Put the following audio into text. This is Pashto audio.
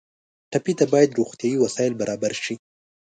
ټپي ته باید روغتیایي وسایل برابر شي.